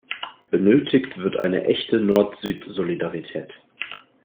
Benötigt wird eine echte Nord-Süd-Solidarität.